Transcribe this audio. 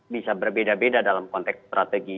bisa berbeda beda dalam konteks strategi